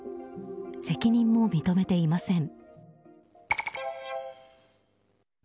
責任も認めていません。